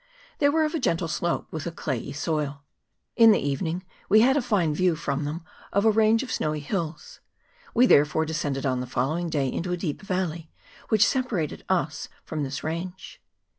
They were of a gentle slope, with a clayey soil. In the evening we had a fine view from them of a range of snowy hills : we therefore descended on the following day into a deep valley, which separated us from this range.